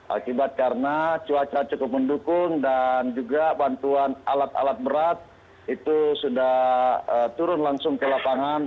akibat karena cuaca cukup mendukung dan juga bantuan alat alat berat itu sudah turun langsung ke lapangan